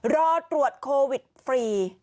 รอตรวจโควิดฟรี